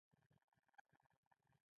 میرمنو او نجونو ته به لارښوونه وکړي